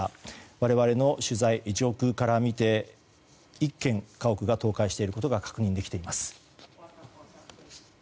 我々の取材、上空から見て１軒、家屋が倒壊していることが確認できています。